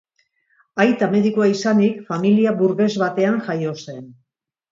Aita medikua izanik, familia burges batean jaio zen.